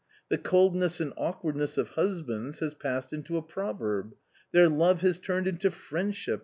The coldness and awkwardness of husbands has passed into a proverb. 'Their love has turned into friendship